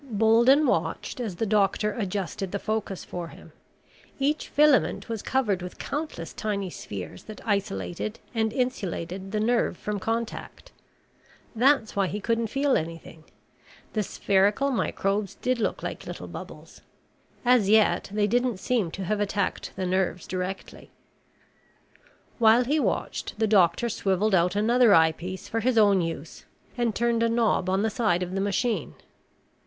Bolden watched as the doctor adjusted the focus for him. Each filament was covered with countless tiny spheres that isolated and insulated the nerve from contact. That's why he couldn't feel anything. The spherical microbes did look like bubbles. As yet they didn't seem to have attacked the nerves directly. While he watched, the doctor swiveled out another eyepiece for his own use and turned a knob on the side of the machine.